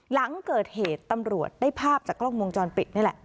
หลังเกิดเหตุตำรวจได้ภาพจากกล้องวงจรปิดนี่แหละ